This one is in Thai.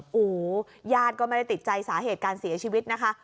โอ้โหญาติก็ไม่ได้ติดใจสาเหตุการเสียชีวิตนะคะ